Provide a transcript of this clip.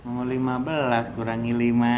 mau lima belas kurangi lima